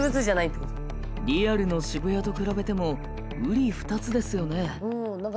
リアルの渋谷と比べてもうり二つですよね。